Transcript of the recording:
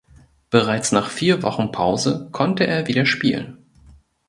Bereits nach vier Wochen Pause konnte er wieder spielen.